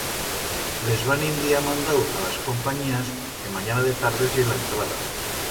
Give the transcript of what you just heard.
Les va ninviar mandau a las companyías que manyana de tardes ye la entrada.